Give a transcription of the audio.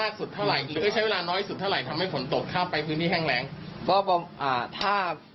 ก็ถ้า